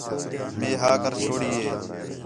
مئے ہا کر چھوڑی ہِے